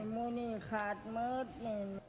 บู่นี้คาดมตน